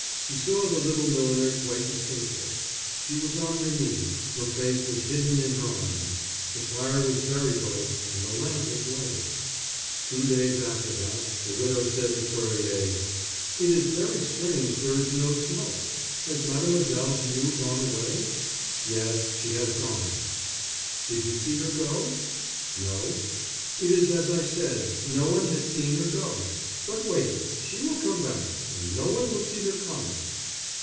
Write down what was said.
She saw the little milliner quite distinctly. She was on her knees, her face was hidden in her arms. The fire was very bright, and the lamp was lighted. Two days after that the widow said to Cuerrier: "It is very strange there is no smoke. Has Mademoiselle Viau gone away?" "Yes, she has gone." "Did you see her go?" "No." "It is as I said—no one has seen her go. But wait, she will come back; and no one will see her come."